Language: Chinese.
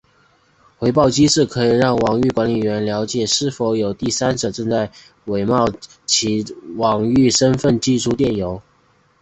回报机制可以让网域管理员了解是否有第三者正在伪冒其网域身份寄出电邮。